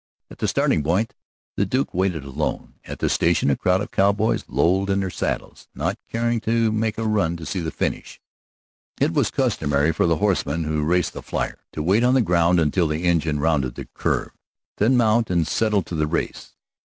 At the starting point the Duke waited alone; at the station a crowd of cowboys lolled in their saddles, not caring to make a run to see the finish. It was customary for the horsemen who raced the flier to wait on the ground until the engine rounded the curve, then mount and settle to the race.